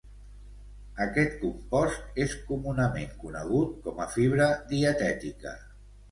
Aquest compost és comunament conegut com a fibra dietètica.